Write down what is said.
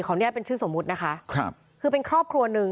อนุญาตเป็นชื่อสมมุตินะคะครับคือเป็นครอบครัวหนึ่ง